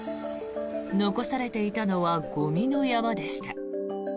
残されていたのはゴミの山でした。